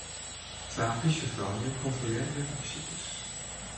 Twa plysjefroulju kontrolearje de besikers.